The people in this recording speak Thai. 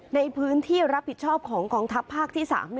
ในพื้นที่รับผิดชอบของกองทัพภาคที่๓